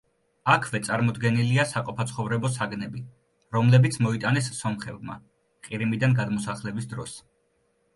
აქვე წარმოდგენილია საყოფაცხოვრებო საგნები, რომლებიც მოიტანეს სომხებმა ყირიმიდან გადმოსახლების დროს.